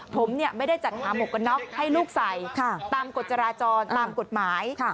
ผมไม่ได้จัดหาหมวกกันน็อกให้ลูกใส่ตามกฎจราจรตามกฎหมาย